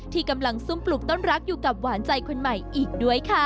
ที่กำลังซุ่มปลูกต้นรักอยู่กับหวานใจคนใหม่อีกด้วยค่ะ